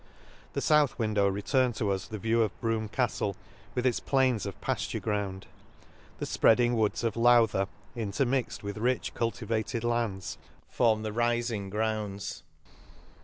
—The fouth window returned to us the view of Brougham Caftle, with its plains of paflure ground. — The fpreading woods of Lowther, intermixed with rich culti vated lands, form the rinng grounds.